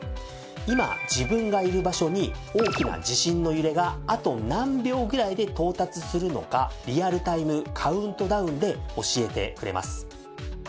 今自分がいる場所に大きな地震の揺れがあと何秒ぐらいで到達するのかリアルタイムカウントダウンで教えてくれます。